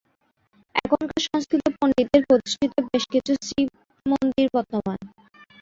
এখানকার সংস্কৃত পণ্ডিতদের প্রতিষ্ঠিত বেশকিছু শিবমন্দির বর্তমান।